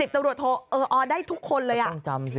ตำรวจโทเอออได้ทุกคนเลยอ่ะ